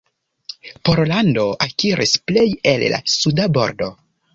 Pollando akiris plej el la suda bordo.